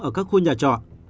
ở các khu nhà trọ